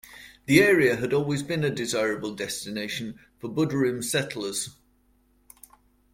The area had always been a desirable destination for Buderim settlers.